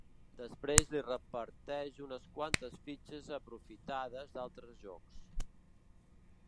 Després li reparteix unes quantes fitxes aprofitades d'altres jocs.